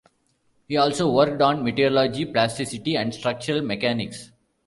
He also worked on meteorology, plasticity and structural mechanics.